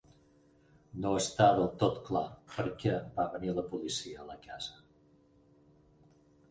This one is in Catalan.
No està del tot clar perquè va venir la policia a la casa.